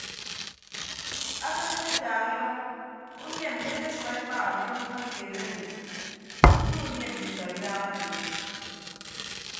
Akịd ñkekaaha idʌñ unie mmi ekesʌk ekpaha ke mbume keed ado udu unie nditọ idahake.